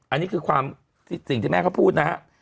อันนี้คือความสิ่งที่แม่เขาพูดนะฮะ